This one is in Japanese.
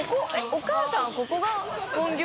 お母さんここが本業？